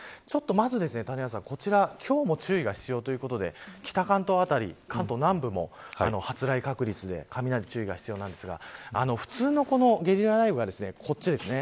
まず谷原さん、こちら今日も注意が必要ということで北関東辺り、関東南部も発雷確率で雷に注意が必要なんですが普通のゲリラ雷雨がこちらです。